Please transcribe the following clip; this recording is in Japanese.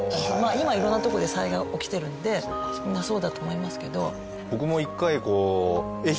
今色んなとこで災害起きてるのでみんなそうだと思いますけど。